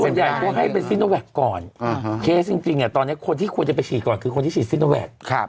ส่วนใหญ่เขาให้เป็นซิโนแวคก่อนเคสจริงตอนนี้คนที่ควรจะไปฉีดก่อนคือคนที่ฉีดซิโนแวค